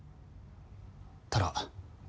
ただ。